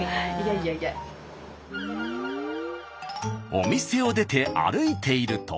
お店を出て歩いていると。